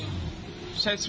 saya sudah tidak tahu